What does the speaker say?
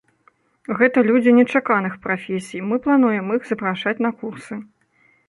Гэта людзі нечаканых прафесій, мы плануем іх запрашаць на курсы.